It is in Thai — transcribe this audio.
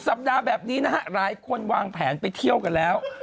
สัปดาห์แบบนี้นะฮะหลายคนวางแผนไปเที่ยวกันแล้ว